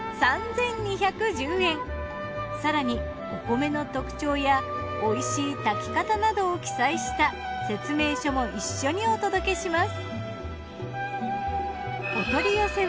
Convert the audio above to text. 更にお米の特徴やおいしい炊き方などを記載した説明書も一緒にお届けします。